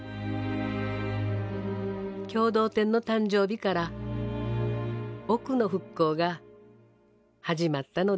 共同店の誕生日から奥の復興が始まったのです。